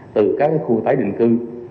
từ các khu tái định cư